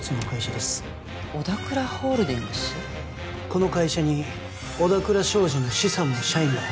この会社に小田倉商事の資産も社員も